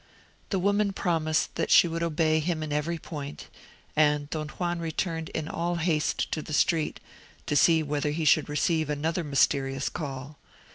The woman promised that she would obey him in every point; and Don Juan returned in all haste to the street, to see whether he should receive another mysterious call.